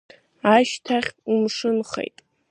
Ашьҭахь умшынхеит…